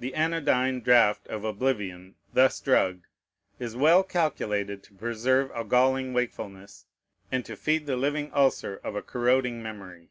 The anodyne draught of oblivion, thus drugged, is well calculated to preserve a galling wakefulness, and to feed the living ulcer of a corroding memory.